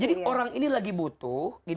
jadi orang ini lagi butuh